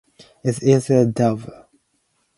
Is easily doable.